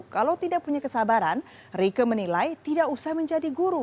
kalau tidak punya kesabaran rike menilai tidak usah menjadi guru